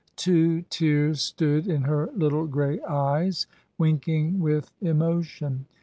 Two tears stood in her little grey eyes, winking with emotion.